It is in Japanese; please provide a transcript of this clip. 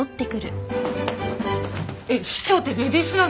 えっ師長ってレディースなの？